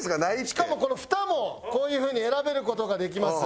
しかもこのふたもこういうふうに選べる事ができます。